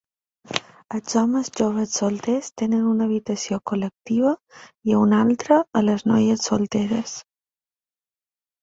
Els homes joves solters tenen una habitació col·lectiva i una altra les noies solteres.